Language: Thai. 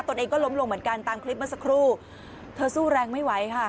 ตัวเองก็ล้มลงเหมือนกันตามคลิปเมื่อสักครู่เธอสู้แรงไม่ไหวค่ะ